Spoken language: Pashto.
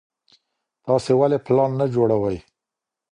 تاسي ولي پلان نه جوړوئ؟